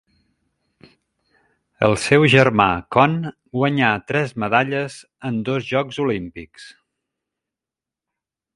El seu germà Con guanyà tres medalles en dos Jocs Olímpics.